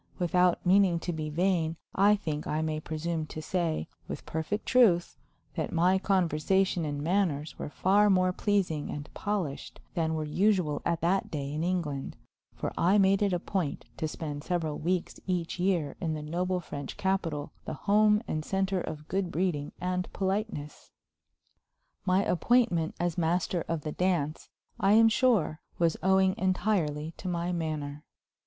Without meaning to be vain, I think I may presume to say, with perfect truth, that my conversation and manners were far more pleasing and polished than were usual at that day in England, for I made it a point to spend several weeks each year in the noble French capital, the home and center of good breeding and politeness. My appointment as Master of the Dance, I am sure, was owing entirely to my manner.